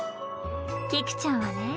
菊ちゃんはね